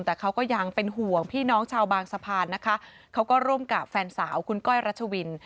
แต่เขาก็ยังเป็นห่วงพี่น้องชาวบางสะพานนะคะเขาก็ร่วมกับแฟนสาวคุณก้อยรัชวิน